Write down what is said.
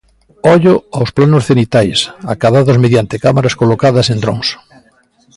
Ollo aos planos cenitais acadados mediante cámaras colocadas en drons.